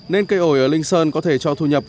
nên cây ổi ở linh sơn có thể cho thu nhập